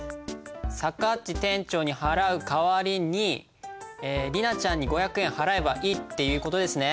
さかっち店長に払う代わりに莉奈ちゃんに５００円払えばいいっていう事ですね。